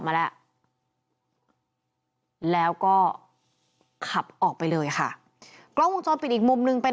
มาแล้วแล้วก็ขับออกไปเลยค่ะกล้องวงจรปิดอีกมุมหนึ่งเป็น